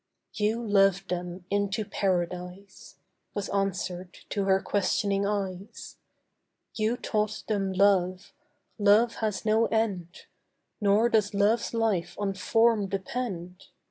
'YOU LOVED THEM INTO PARADISE' Was answered to her questioning eyes; 'You taught them love; love has no end! Nor does love's life on form depend.